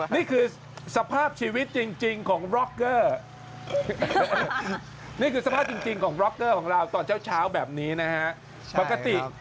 นี่คือสภาพชีวิตจริงของบล็อกเกอร์นี่คือสภาพจริงของบล็อกเกอร์ของเราตอนเช้าแบบนี้นะฮะปกติ